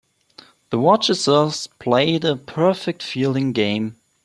The Worcesters played a perfect fielding game.